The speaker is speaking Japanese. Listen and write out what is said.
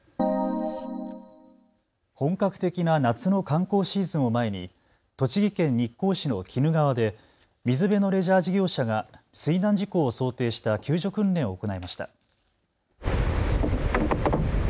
本格的な夏の観光シーズンを前に栃木県日光市の鬼怒川で水辺のレジャー事業者が水難事故を想定した救助訓練を行いました。